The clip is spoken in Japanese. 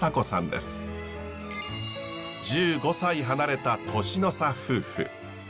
１５歳離れた年の差夫婦。